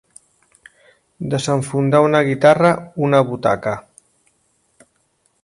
Desenfundar una guitarra, una butaca.